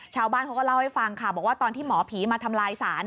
ชาวบ้านเขาก็เล่าให้ฟังค่ะบอกว่าตอนที่หมอผีมาทำลายศาล